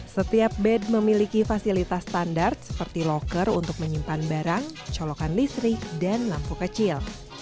setiap bed memiliki fasilitas standar seperti locker untuk menyimpan barang colokan listrik dan lampu kecil